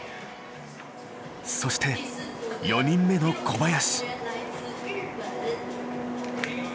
そして４人目の小林。